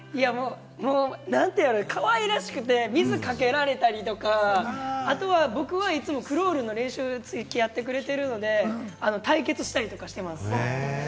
もう何て言うんやろ、かわいらしくて水かけられたりとか、あとは僕はいつもクロールの練習つき合ってくれてるので、対決したりとかしてます。